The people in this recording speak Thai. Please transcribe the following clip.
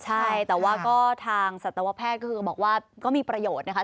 ใช่แต่ว่าก็ทางสัตวแพทย์ก็คือบอกว่าก็มีประโยชน์นะคะ